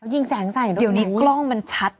ยิงแสงใส่นะเดี๋ยวนี้กล้องมันชัด